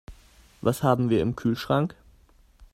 Was haben wir im Kühlschrank?